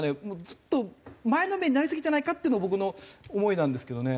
ずっと前のめりになりすぎてないかっていうのが僕の思いなんですけどね。